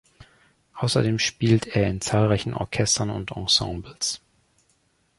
Außerdem spielt er in zahlreichen Orchestern und Ensembles.